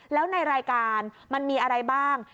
แล้วในรายการมันมีอะไรบ้าง